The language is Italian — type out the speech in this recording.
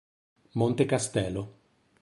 Monte Castelo